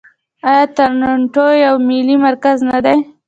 آیا تورنټو یو مالي مرکز نه دی؟